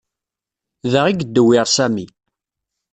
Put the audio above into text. Da i yeddewwir Sami.